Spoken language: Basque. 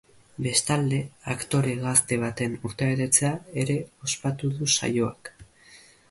Bestalde, aktore gazte baten urtebetzea ere ospatuko du saioak.